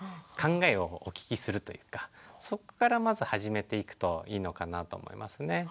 考えをお聞きするというかそこからまず始めていくといいのかなと思いますね。